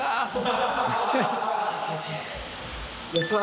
気持ちいい。